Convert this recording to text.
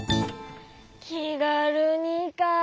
「きがるに」かあ。